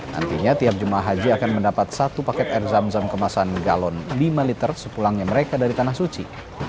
nantinya tiap jemaah haji akan mendapat satu paket air zam zam kemasan galon lima liter sepulangnya mereka dari tanah suci